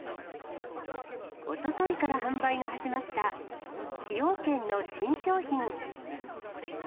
おとといから販売が始まった崎陽軒の新商品。